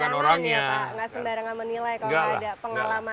gak sembarangan ya pak gak sembarangan menilai kalau ada pengalaman